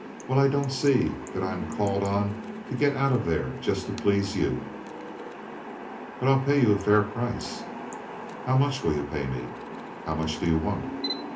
Well, I don't see that I'm called on to get out of there just to please you." "But I'll pay you a fair price." "How much will you pay me?" "How much do you want?"